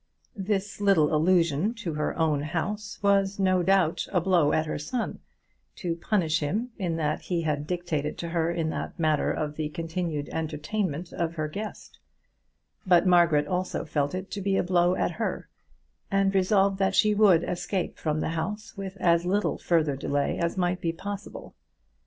This little allusion to her own house was, no doubt, a blow at her son, to punish him in that he had dictated to her in that matter of the continued entertainment of her guest; but Margaret also felt it to be a blow at her, and resolved that she would escape from the house with as little further delay as might be possible.